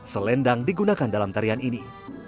selendang digunakan dalam tarian ini